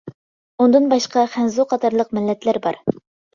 ئۇندىن باشقا خەنزۇ قاتارلىق مىللەتلەر بار.